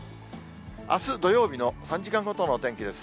あす土曜日の３時間ごとのお天気です。